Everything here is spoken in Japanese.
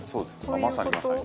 まさに、まさに。